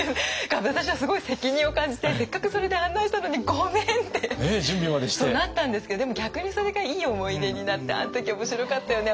私はすごい責任を感じてせっかくそれで案内したのにごめんってなったんですけどでも逆にそれがいい思い出になってあの時面白かったよね